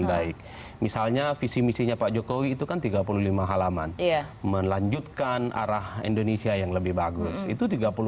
dialami oleh rakyat